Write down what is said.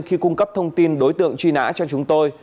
khi cung cấp thông tin đối tượng truy nã cho chúng tôi